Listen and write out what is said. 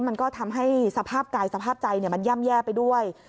มันก็ทำให้สภาพกายสภาพใจมันย่ำแย่ไปด้วย